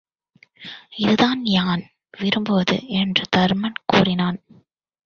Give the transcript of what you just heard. இதுதான் யான் விரும்புவது என்று தருமன் கூறினான்.